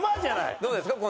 どうですか？